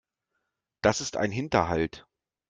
Das ist ein Hinterhalt.